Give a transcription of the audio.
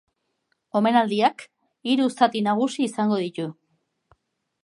Omenaldiak hiru zati nagusi izango ditu.